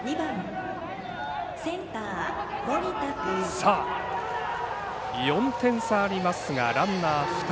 さあ、４点差ありますがランナー２人。